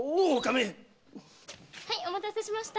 お待たせしました。